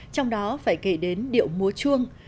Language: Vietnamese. trong đó phải kể đến điệu múa chuông